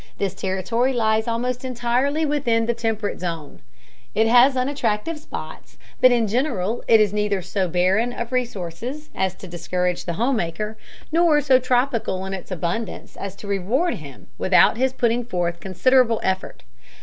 This territory lies almost entirely within the temperate zone: it has unattractive spots, but in general it is neither so barren of resources as to discourage the home maker, nor so tropical in its abundance as to reward him without his putting forth considerable effort.